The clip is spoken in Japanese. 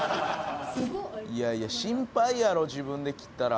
いやいや心配やろ自分で切ったら。